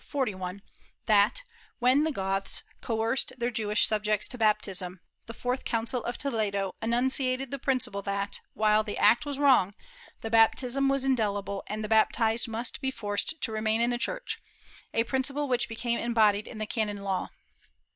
41) that, when the Goths coerced their Jewish subjects to baptism, the fourth Council of Toledo enunciated the principle that, while the act was wrong, the bap tism was indelible and the baptized must be forced to remain in the Church, a principle which became embodied in the canon law.